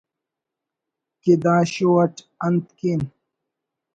کہ دا show it انت کین